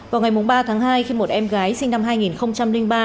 vào ngày ba tháng hai khi một em gái sinh năm hai nghìn ba